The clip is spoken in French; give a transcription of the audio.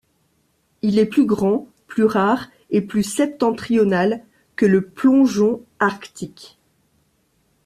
Il est plus grand, plus rare et plus septentrional que le Plongeon arctique.